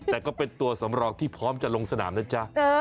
แต่ก็เป็นตัวสำรองที่พร้อมจะลงสนามนะจ๊ะ